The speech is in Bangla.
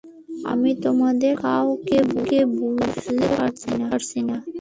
আমি তোদের কাউকেই বুঝে উঠতে পারছি না।